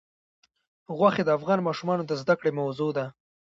غوښې د افغان ماشومانو د زده کړې موضوع ده.